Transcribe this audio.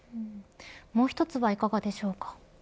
もう１つはいかがでしょうか。